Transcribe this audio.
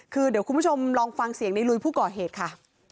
คือเดี๋ยวคุณผู้ชมลองฟังเสียงในลุยผู้ก่อเหตุค่ะ